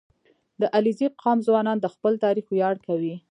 • د علیزي قوم ځوانان د خپل تاریخ ویاړ کوي.